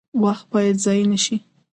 وخت باید ضایع نشي